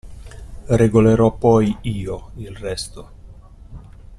Regolerò poi io il resto.